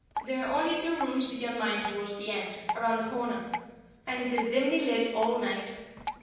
There are only two rooms beyond mine towards the end, round the corner, and it is dimly lit all night.